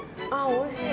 おいしい？